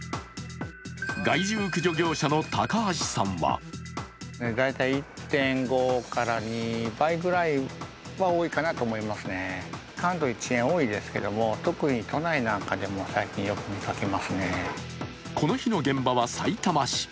害獣駆除業者の高橋さんはこの日の現場はさいたま市。